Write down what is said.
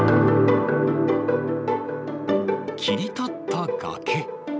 切り立った崖。